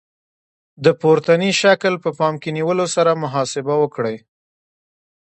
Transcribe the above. د پورتني شکل په پام کې نیولو سره محاسبه وکړئ.